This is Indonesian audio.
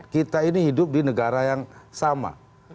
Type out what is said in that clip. kita ini hidup di negara yang sama